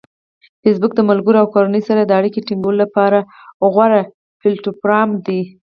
فېسبوک د ملګرو او کورنۍ سره د اړیکې ټینګولو لپاره غوره پلیټفارم دی.